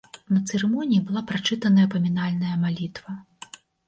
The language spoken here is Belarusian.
На цырымоніі была прачытаная памінальная малітва.